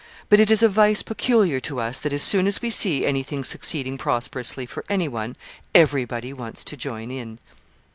But it is a vice peculiar to us that as soon as we see anything succeeding prosperously for any one, everybody wants to join in."